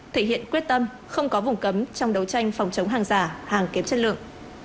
thể hiện quyết tâm không có vùng cấm trong đấu tranh phòng chống hàng giả hàng kém chất lượng